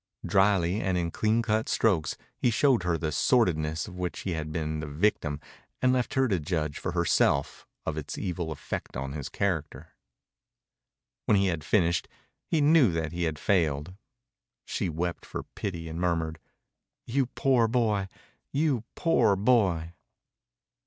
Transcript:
Dryly and in clean cut strokes he showed her the sordidness of which he had been the victim and left her to judge for herself of its evil effect on his character. When he had finished he knew that he had failed. She wept for pity and murmured, "You poor boy.... You poor boy!"